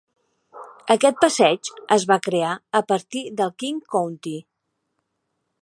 Aquest passeig es va crear a partir del King County.